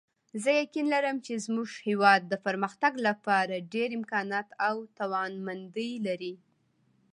زه یقین لرم چې زموږ هیواد د پرمختګ لپاره ډېر امکانات او توانمندۍ لري